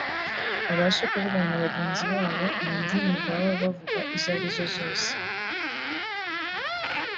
babashe kuvugana n’abagenzi mu ndimi baba bavuga izo ari zo zose